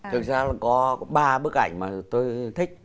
thực ra có ba bức ảnh mà tôi thích